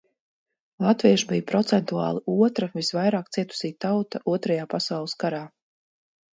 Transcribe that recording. Latvieši bija procentuāli otra visvairāk cietusī tauta Otrajā pasaules karā.